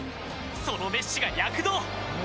そのメッシが躍動！